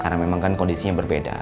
karena memang kan kondisinya berbeda